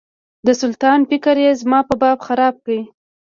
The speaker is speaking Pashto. د سلطان فکر یې زما په باب خراب کړ.